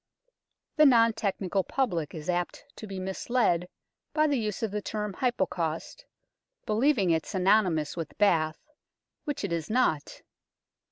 The non technical public is apt to be misled by the use of the term Hypocaust, believing it synonomous with bath, which it is not.